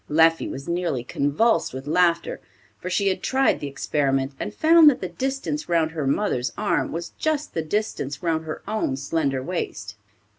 Leffie was nearly convulsed with laughter, for she had tried the experiment, and found that the distance round her mother's arm was just the distance round her own slender waist.